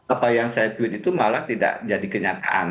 apa yang saya tweet itu malah tidak jadi kenyataan